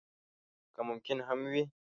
که ممکن هم وي.